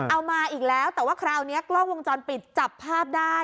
มาอีกแล้วแต่ว่าคราวนี้กล้องวงจรปิดจับภาพได้